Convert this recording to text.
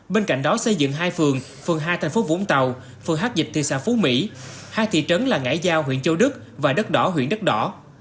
bên cạnh đó xây dựng hai phường phường hai thành phố vũng tàu phường h dịch thị xã phú mỹ hai thị trấn là ngãi giao huyện châu đức và đất đỏ huyện đất đỏ